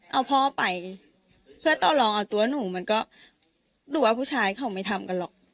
เอาพ่อไปเพื่อต่อลองเอาตัวหนูมันก็ดูว่าผู้ชายเขาไม่ทำกันหรอก